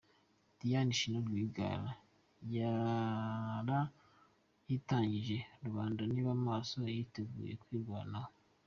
Diane Shima Rwigara yarayitangije, Rubanda nibe amaso, yitegure kwirwanaho.